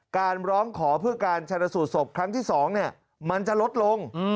การร้องขอเพื่อการชนสูตรศพครั้งที่๒มันจะลดลง